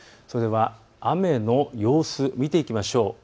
それでは雨の様子を見ていきましょう。